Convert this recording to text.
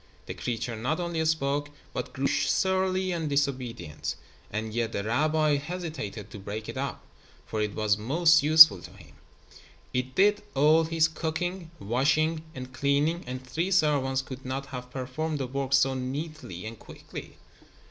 The creature not only spoke, but grew surly and disobedient, and yet the rabbi hesitated to break it up, for it was most useful to him. It did all his cooking, washing and cleaning, and three servants could not have performed the work so neatly and quickly.